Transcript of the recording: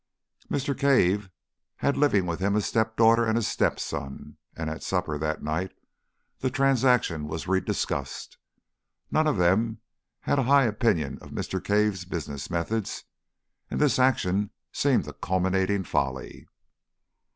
Mr. Cave had living with him a step daughter and a step son, and at supper that night the transaction was re discussed. None of them had a high opinion of Mr. Cave's business methods, and this action seemed a culminating folly.